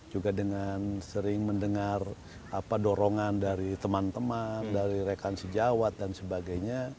juga dengan sering mendengar dorongan dari teman teman dari rekan sejawat dan sebagainya